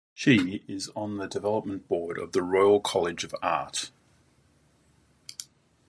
She is on the development board of the Royal College of Art.